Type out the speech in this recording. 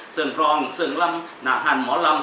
เสลิงรองเสลิงรำหนาหั่นหมอลำ